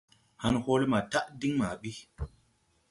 Han hoole maa taʼ din maa bi.